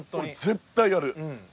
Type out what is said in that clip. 絶対やる。